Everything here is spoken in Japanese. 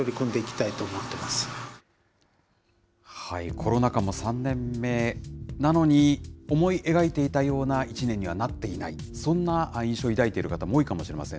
コロナ禍も３年目なのに、思い描いていたような一年にはなっていない、そんな印象、抱いている方も多いかもしれません。